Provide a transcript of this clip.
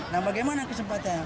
nah bagaimana kesempatannya